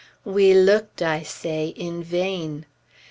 We looked, I say, in vain.